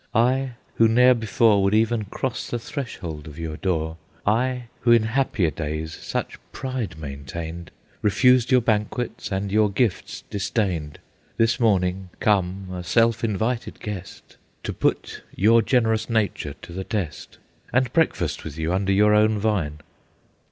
I who ne'er before Would even cross the threshold of your door, I who in happier days such pride maintained, Refused your banquets, and your gifts disdained, This morning come, a self invited guest, To put your generous nature to the test, And breakfast with you under your own vine."